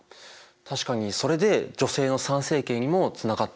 確かにそれで女性の参政権にもつながっていったしね。